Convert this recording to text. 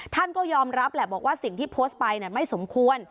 ท่านก็ยอมรับแหละบอกว่าสิ่งที่โพสต์ไปไม่สมควร